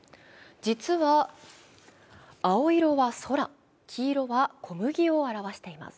実は青色は空、黄色は小麦を表しています。